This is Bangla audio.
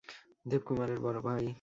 দেবকুমারের বড় ভাই।